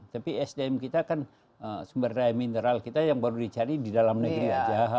tapi sdm kita kan sumber daya mineral kita yang baru dicari di dalam negeri saja